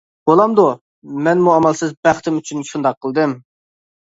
بولامدۇ؟ مەنمۇ ئامالسىز بەختىم ئۈچۈن شۇنداق قىلدىم.